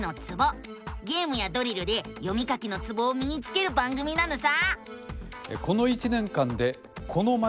ゲームやドリルで読み書きのツボをみにつける番組なのさ！